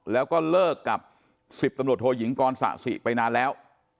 แล้วก็เลิกกับ๑๐ตำรวจโทยิงกรสะสิไปนานแล้ว